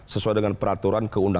sesuai dengan peraturan